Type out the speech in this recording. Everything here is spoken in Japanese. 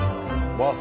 うわ。